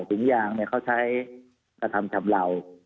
ถุงยางเขาใช้กระทำชำเหล่า